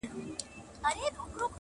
زموږ د شاهباز له شاهپرونو سره لوبي کوي-